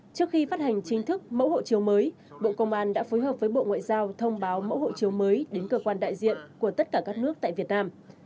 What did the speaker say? trước khi phát hành chính thức mẫu hộ chiếu mới bộ công an đã phối hợp với bộ ngoại giao thông báo mẫu hộ chiếu mới đến cơ quan đại diện của tất cả các nước tại việt nam